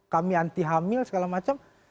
kami anti hamil segala macam